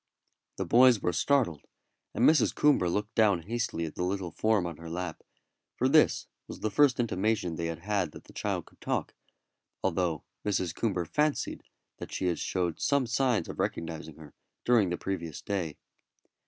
The boys were startled, and Mrs. Coomber looked down hastily at the little form on her lap, for this was the first intimation they had had that the child could talk, although Mrs. Coomber fancied that she had showed some signs of recognising her during the previous day.